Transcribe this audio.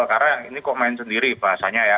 karena ini kok main sendiri bahasanya ya